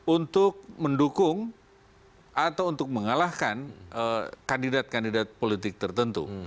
untuk mendukung atau untuk mengalahkan kandidat kandidat politik tertentu